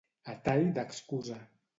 A tall d'excusa.